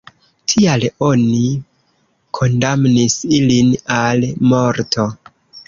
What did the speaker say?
Tial oni kondamnis ilin al morto.